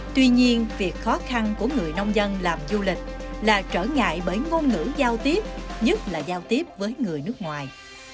tuy nhiên việc khó khăn của người nông dân làm du lịch là trở ngại bởi ngôn ngữ giao tiếp nhất là giao tiếp với người nước ngoài